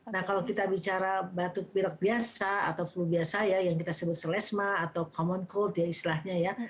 nah kalau kita bicara batuk pilek biasa atau flu biasa ya yang kita sebut selesma atau common cold ya istilahnya ya